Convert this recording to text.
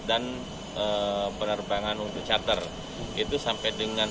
jelang gelaran motogp madalikat delapan belas hingga dua puluh maret mendatang